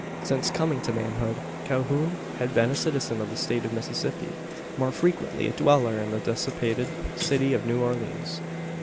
Since coming to manhood, Calhoun had been a citizen of the state of Mississippi more frequently a dweller in the dissipated city of New Orleans.